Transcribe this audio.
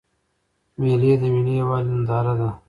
مېلې د ملي یوالي ننداره ده.